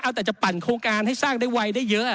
เอาแต่จะปั่นโครงการให้สร้างได้ไวได้เยอะ